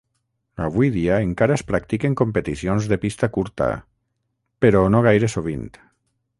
Avui dia encara es practiquen competicions de pista curta, però no gaire sovint.